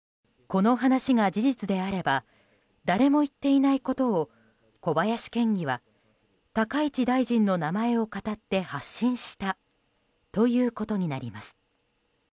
この話が事実であれば誰も言っていないことを小林県議は高市大臣の名前をかたって発信したということになります。